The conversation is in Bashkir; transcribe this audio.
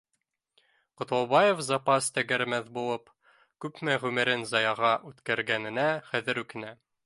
Ҡотлобаев запас тәгәрмәс булып күпме ғүмерен заяға үткәргәненә хәҙер үкенә